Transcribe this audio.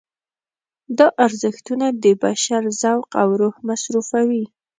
دا ارزښتونه د بشر ذوق او روح مصرفوي.